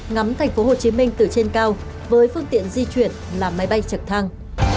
ngắm tp hcm từ trên cao với phương tiện di chuyển là máy bay trực thăng